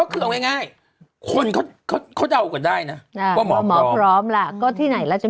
เอาง่ายคนเขาเดาออกกันได้นะ